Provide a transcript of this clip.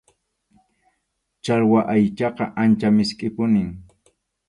Challwa aychaqa ancha miskʼipunim.